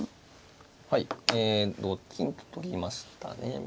はいえ同金と取りましたね。